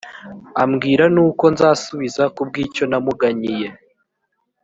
ambwira n uko nzasubiza ku bw icyo namuganyiye